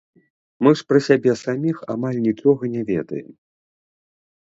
Мы ж пра сябе саміх амаль нічога не ведаем.